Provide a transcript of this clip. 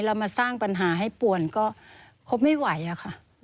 เรามาสร้างปัญหาให้ป่วนก็คบไม่ไหวอะค่ะ